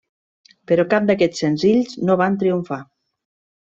Però cap d'aquests senzills no van triomfar.